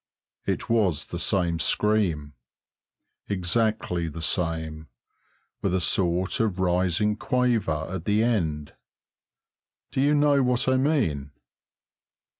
It was the same scream; exactly the same, with a sort of rising quaver at the end; do you know what I mean?